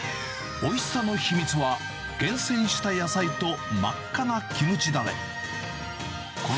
おいしさの秘密は、厳選した野菜と真っ赤なキムチだれ。